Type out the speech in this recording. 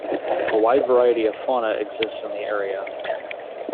A wide variety of fauna exists in the area.